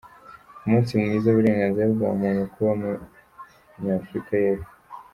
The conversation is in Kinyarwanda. Umunsi mwiza w’uburenganzira bwa muntu kuba Nyafurika y’epfo.